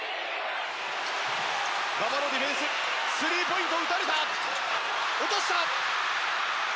馬場のディフェンススリーポイントを打たれた落とした。